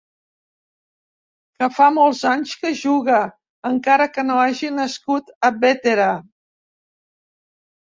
Que fa molts anys que juga, encara que no hagi nascut a Bétera.